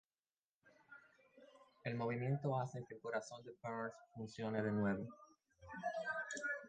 El movimiento hace que el corazón de Burns funcione de nuevo.